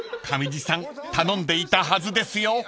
［上地さん頼んでいたはずですよ］